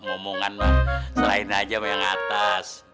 omongan selain aja sama yang atas